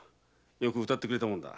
よく歌ってくれたもんだ。